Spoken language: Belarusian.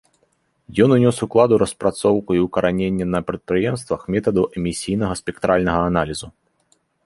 Ён унёс уклад у распрацоўку і ўкараненне на прадпрыемствах метаду эмісійнага спектральнага аналізу.